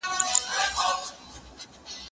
که وخت وي، نان خورم؟